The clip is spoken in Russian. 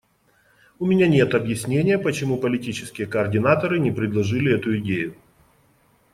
У меня нет объяснения, почему политические координаторы не предложили эту идею.